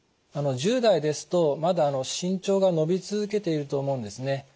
１０代ですとまだ身長が伸び続けていると思うんですね。